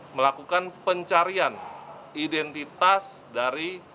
melakukan pencarian identitas dari